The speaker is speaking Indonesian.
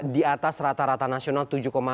di atas rata rata nasional